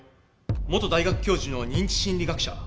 元大学教授の認知心理学者。